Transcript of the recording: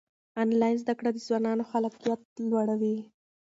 آنلاین زده کړه د ځوانانو خلاقیت لوړوي.